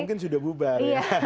mungkin sudah bubar ya